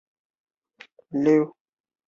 李弼雨是钟表店老板的儿子。